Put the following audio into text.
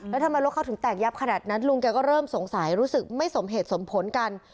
แล้วทำไมรถเขาถึงแตกยับขนาดนั้นลุงแกก็เริ่มสงสัยรู้สึกไม่สมเหตุสมผลกัน